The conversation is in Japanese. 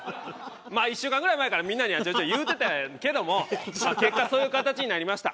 まあ１週間ぐらい前からみんなにはちょいちょい言うてたんやけどもまあ結果そういう形になりました。